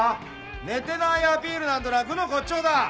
寝てないアピールなんてのは愚の骨頂だ！